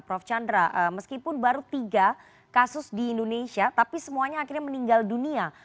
prof chandra meskipun baru tiga kasus di indonesia tapi semuanya akhirnya meninggal dunia